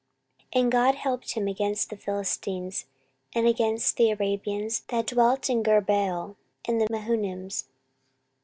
14:026:007 And God helped him against the Philistines, and against the Arabians that dwelt in Gurbaal, and the Mehunims.